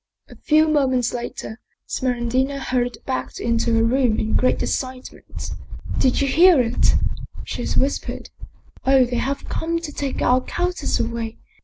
A few moments later, Smeraldina hurried back into her room in great excitement. " Did you hear it ?" she whis pered. " Oh ! they have come to take our countess away